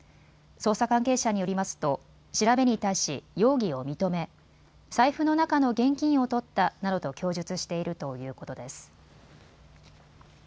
捜査関係者によりますと調べに対し容疑を認め財布の中の現金をとったなどと供述しているということです。